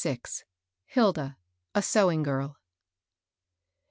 HILDA A SEWING GIRL.